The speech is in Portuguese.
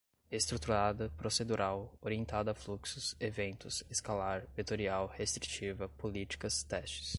estruturada, procedural, orientada a fluxos, eventos, escalar, vetorial, restritiva, políticas, testes